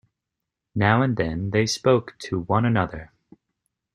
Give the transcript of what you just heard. Now and then they spoke to one another.